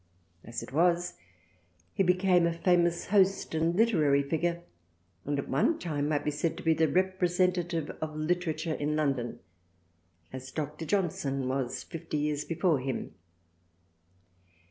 As it was, he became a famous host and literary figure and at one time might be said to be the representative THRALIANA 53 of Literature in London as Dr. Johnson was fifty years before him.